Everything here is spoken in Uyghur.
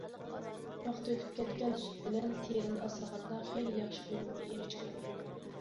ۋاقتى ئۆتۈپ كەتكەن سۈت بىلەن تېرىنى ئاسرىغاندا خېلى ياخشى ئۈنۈمگە ئېرىشكىلى بولىدۇ.